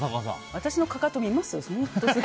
私のかかと、見ます？